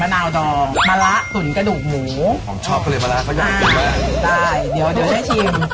อันนี้เขาลักตุ๋นยาจีน